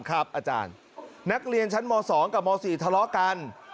อาจารย์นักเรียนชั้นม๒กับม๔ทะเลาะกัน